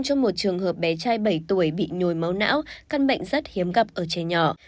trong một trường hợp bé trai bảy tuổi bị nhồi máu não căn bệnh rất hiếm gặp ở trẻ nhỏ